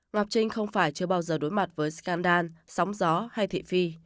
ngọc trinh không phải chưa bao giờ đối mặt với scandan sóng gió hay thị phi